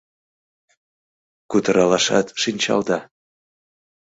Кутыралашат шинчалда?